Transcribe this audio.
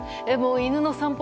犬の散歩